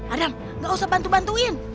adam gak usah bantu bantuin